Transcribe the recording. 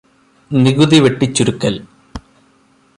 നികുതി വെട്ടിച്ചുരുക്കൽ